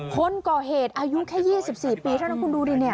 คนก่อเหตุอายุแค่๒๔ปีเห็นต้นคุณดูดิ